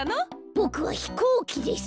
ボクはひこうきです。